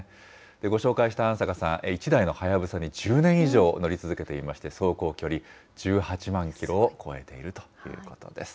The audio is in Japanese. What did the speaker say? ご紹介した安坂さん、１台の隼に１０年以上乗り続けていまして、走行距離１８万キロを超えているということです。